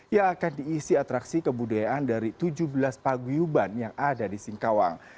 yang akan diisi atraksi kebudayaan dari tujuh belas paguyuban yang ada di singkawang